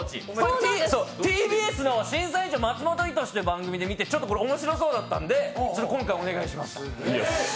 ＴＢＳの「審査委員長・松本人志」という番組で見てちょっと面白そうだったんで、今回お願いしました。